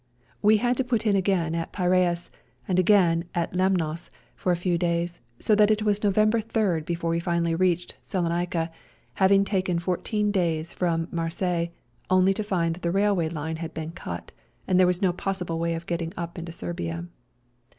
We had to put in again at Piraeus, and again at Lemnos for a few days, so that it was November 3rd before we finally reached Salonica — having taken fourteen days from. Marseilles — only to find that the railway line had been cut, and there wa& no possible way of getting up into Serbia.